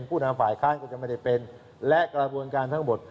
ผู้นำฝ่ายค้านก็จะไม่ได้เป็นและกระบวนการทั้งหมด